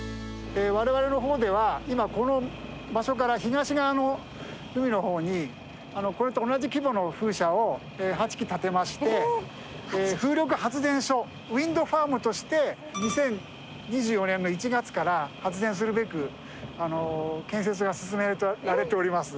我々の方では今この場所から東側の海の方にこれと同じ規模の風車を８基建てまして風力発電所ウインドファームとして２０２４年の１月から発電するべく建設が進められております。